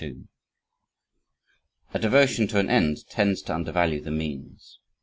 2 A devotion to an end tends to undervalue the means.